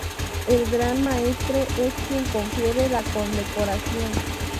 El Gran Maestre es quien confiere la condecoración.